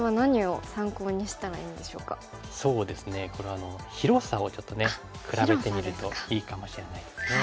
これは広さをちょっとね比べてみるといいかもしれないですね。